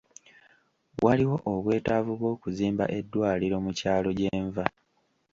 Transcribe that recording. Waliwo obwetaavu bw'okuzimba eddwaliro mu kyalo gye nva.